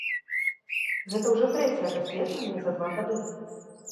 Гэта ўжо трэцяе даследаванне за два гады.